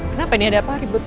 kenapa ini ada apa ribut